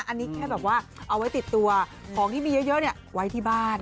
อันนี้แค่แบบว่าเอาไว้ติดตัวของที่มีเยอะไว้ที่บ้าน